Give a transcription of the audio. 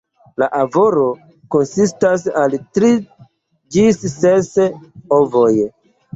La ovaro konsistas el tri ĝis ses ovoj.